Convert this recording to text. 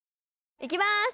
いきまーす！